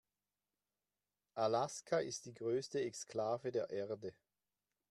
Alaska ist die größte Exklave der Erde.